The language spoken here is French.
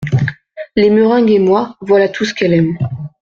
Les meringues et moi, voilà tout ce qu’elle aime.